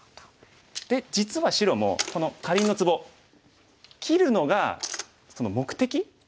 で実は白もこのかりんのツボ切るのが目的。